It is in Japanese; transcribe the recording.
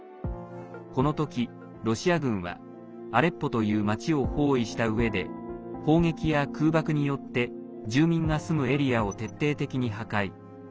このとき、ロシア軍はアレッポという町を包囲したうえで砲撃や空爆によって住民が住むエリアを徹底的に破壊。